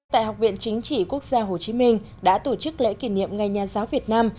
tại học viện chính trị quốc gia hồ chí minh đã tổ chức lễ kỷ niệm ngày nhà giáo việt nam